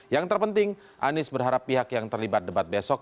yang terpenting anies berharap pihak yang terlibat debat besok